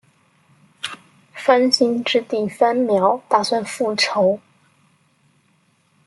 番歆之弟番苗打算复仇。